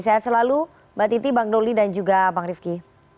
sehat selalu mbak titi bang doli dan juga bang rifki